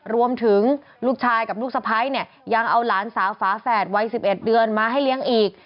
รวมถึงลูกชายกับลูกสะพ้ายเนี่ยยังเอาหลานสาวฝาแฝดวัย๑๑เดือนมาให้เลี้ยงอีก